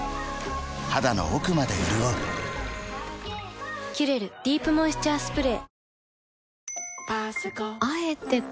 肌の奥まで潤う「キュレルディープモイスチャースプレー」